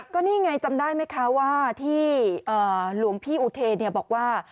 ก็นี่ไงจำได้ไหมคะว่าที่หลวงพี่อุเทนบอกว่า